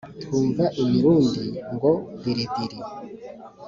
Twumva imirundi ngo diridiri